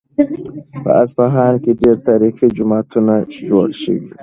په اصفهان کې ډېر تاریخي جوماتونه جوړ شوي وو.